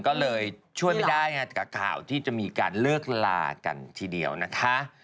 ก็เลยช่วยไม่ได้ไงกับข่าวที่จะมีการเลิกลากันทีเดียวนะคะ